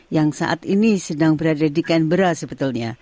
yang saat ini sedang berada di kenbera sebetulnya